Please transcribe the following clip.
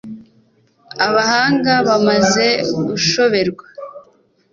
abahanga bamaze gushoberwa